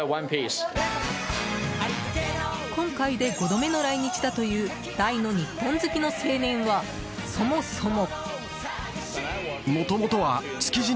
今回で５度目の来日だという大の日本好きの青年はそもそも。